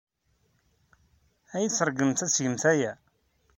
Ad iyi-tṛeggmemt ad tgemt aya?